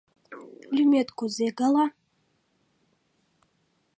— Лӱмет кузе гала?